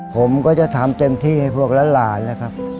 ผมก็จะทำเต็มที่ให้พวกและหลานนะครับ